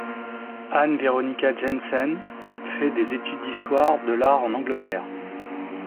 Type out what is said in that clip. Ann Veronica Janssens fait des études d'histoire de l'art en Angleterre.